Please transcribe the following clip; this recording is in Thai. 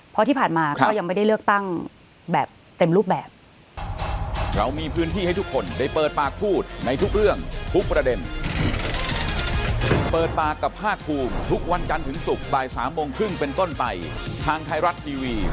เพราะที่ผ่านมาก็ยังไม่ได้เลือกตั้งแบบเต็มรูปแบบ